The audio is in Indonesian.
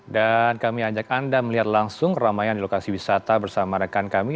dan kami ajak anda melihat langsung keramaian di lokasi wisata bersama rekan kami